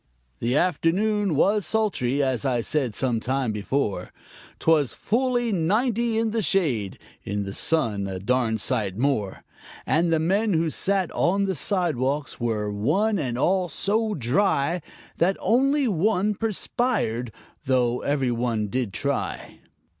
The afternoon was sultry, as I said some time before; 'Twas fully ninety in the shade (in the sun a darn sight more), And the men who sat on the sidewalks were, one and all, so dry That only one perspired, though every one did try.